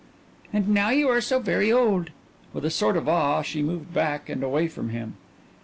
"And now you are so very old." With a sort of awe she moved back and away from him.